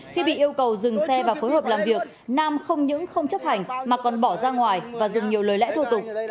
khi bị yêu cầu dừng xe và phối hợp làm việc nam không những không chấp hành mà còn bỏ ra ngoài và dùng nhiều lời lẽ thô tục